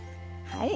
はい。